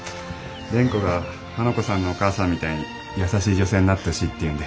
蓮子が花子さんのお母さんみたいに優しい女性になってほしいって言うんで。